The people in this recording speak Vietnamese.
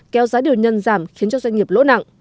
kéo giá điều nhân giảm khiến cho doanh nghiệp lỗ nặng